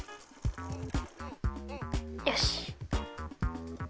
よし。